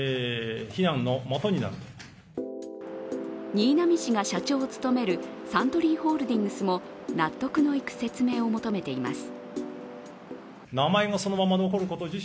新浪氏が社長を務めるサントリーホールディングスも納得のいく説明を求めています。